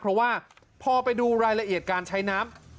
เพราะว่าพอไปดูรายละเอียดการใช้น้ำ